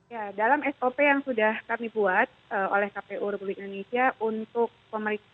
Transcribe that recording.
ya dalam sop yang sudah kami buat oleh kpu republik indonesia untuk pemeriksaan